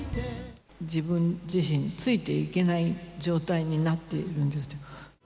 自分自身、ついていけない状態になっているんですよ。